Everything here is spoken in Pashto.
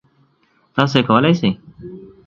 تاسو یې کولی شئ!